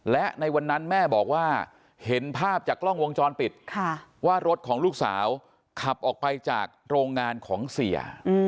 และในวันนั้นแม่บอกว่าเห็นภาพจากกล้องวงจรปิดว่ารถของลูกสาวขับออกไปจากโรงงานของเสีย